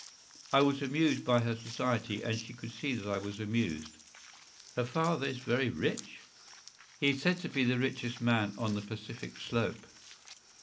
” “I was amused by her society, and she could see that I was amused.” “Her father is very rich?” “He is said to be the richest man on the Pacific slope.